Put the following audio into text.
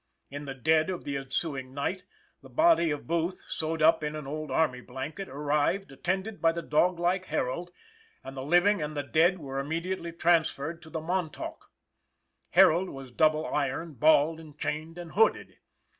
In the dead of the ensuing night, the body of Booth, sewed up in an old army blanket, arrived, attended by the dog like Herold; and the living and the dead were immediately transferred to the Montauk. Herold was double ironed, balled and chained and hooded.